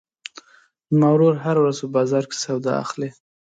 زما ورور هره ورځ په بازار کې سودا اخلي.